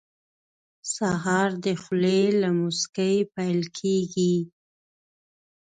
سهار د خولې له موسکۍ پیل کېږي.